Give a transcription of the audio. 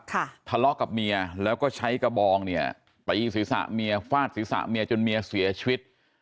ทะเลาะกับเมียแล้วก็ใช้กระบองเนี่ยตีศีรษะเมียฟาดศีรษะเมียจนเมียเสียชีวิต